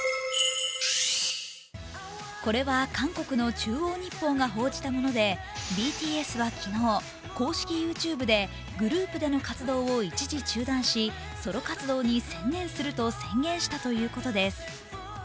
これは韓国の「中央日報」が報じたもので、ＢＴＳは昨日、公式ＹｏｕＴｕｂｅでグループでの活動を一時中断しソロ活動に専念すると宣言したということです。